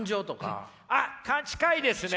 あっ近いですね！